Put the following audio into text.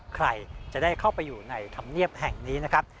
ใครจะได้เข้าไปอยู่ในธรรมเนียบแห่งนี้นะครับ